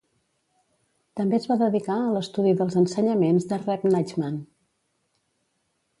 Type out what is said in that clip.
També es va dedicar a l'estudi dels ensenyaments de Rebbe Nachman.